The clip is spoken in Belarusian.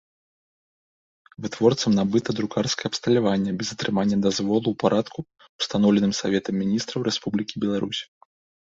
Вытворцам набыта друкарскае абсталяванне без атрымання дазволу ў парадку, устаноўленым Саветам Мiнiстраў Рэспублiкi Беларусь.